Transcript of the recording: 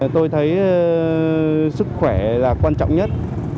tôi thấy sức khỏe là quan trọng nhất